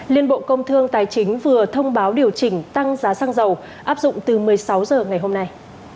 liên bộ công thương tài chính vừa thông báo điều chỉnh tăng giá xăng dầu áp dụng từ một mươi sáu h ngày hôm nay